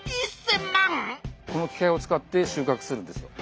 この機械を使ってしゅうかくするんですよ。